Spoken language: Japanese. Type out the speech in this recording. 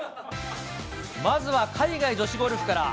まずは海外女子ゴルフから。